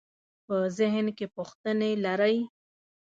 په ذهن کې پوښتنې لرئ؟